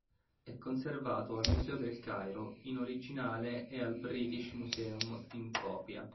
È conservato al Museo del Cairo in originale ed al British Museum in copia.